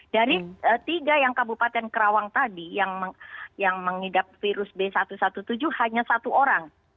dari tiga yang kabupaten kerawang tadi yang mengidap virus b satu satu tujuh hanya satu orang